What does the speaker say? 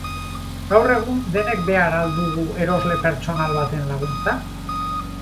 Gaur egun, denek behar al dugu erosle pertsonal baten laguntza?